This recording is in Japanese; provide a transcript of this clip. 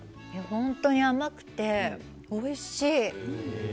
本当に甘くて、おいしい。